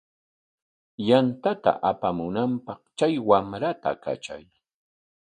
Yantata apamunanpaq chay wamrata katray.